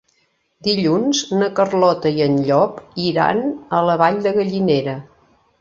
Dilluns na Carlota i en Llop iran a la Vall de Gallinera.